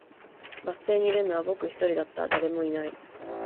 バス停にいるのは僕一人だった、誰もいない